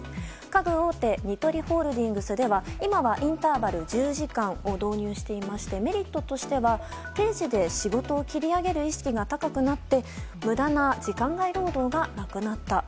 家具大手ニトリホールディングスでは今はインターバルは１０時間を導入していましてメリットとしては定時で仕事を切り上げる意識が高くなって無駄な時間外労働がなくなった。